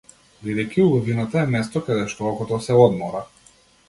Бидејќи убавината е место каде што окото се одмора.